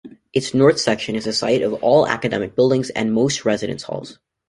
Its north section is the site of all academic buildings and most residence halls.